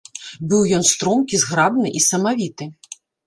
Быў ён стромкі, зграбны і самавіты.